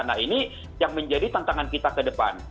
nah ini yang menjadi tantangan kita ke depan